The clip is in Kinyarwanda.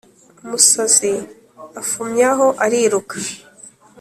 umusazi afumyamo ariruka !